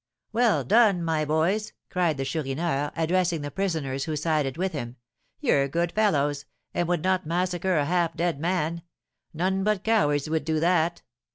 "Well done, my boys!" cried the Chourineur, addressing the prisoners who sided with him. "You're good fellows, and would not massacre a half dead man; none but cowards would do that.